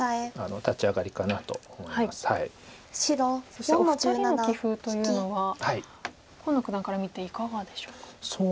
そしてお二人の棋風というのは河野九段から見ていかがでしょうか？